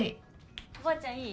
・おばあちゃんいい？